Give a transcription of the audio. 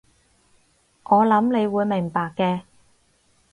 我諗你會明白嘅